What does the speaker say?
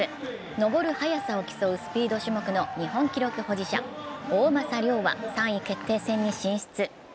登る速さを競うスピード種目の日本記録保持者、大政涼は３位決定戦に進出。